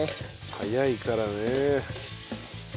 早いからね。